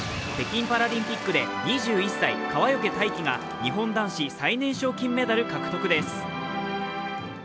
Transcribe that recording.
北京パラリンピックで２１歳、川除大輝が日本男子最年少金メダルを獲得です。